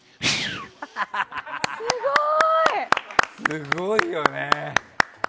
すごいよね。